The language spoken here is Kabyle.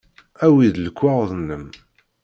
Awi-d lekwaɣeḍ-nnem.